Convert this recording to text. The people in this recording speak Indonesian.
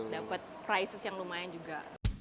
dapat prices yang lumayan juga